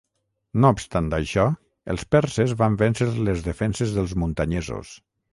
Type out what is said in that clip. No obstant això, els perses van vèncer les defenses dels muntanyesos.